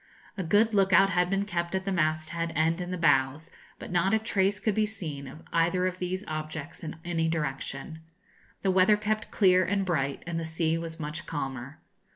A good look out had been kept at the masthead and in the bows, but not a trace could be seen of either of these objects in any direction. The weather kept clear and bright, and the sea was much calmer.